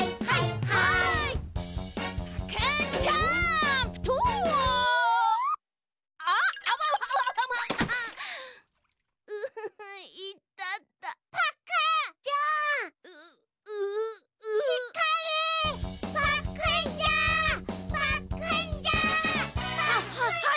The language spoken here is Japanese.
はははい！